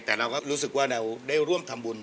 แต่เราก็รู้สึกว่าเราได้ร่วมทำบุญ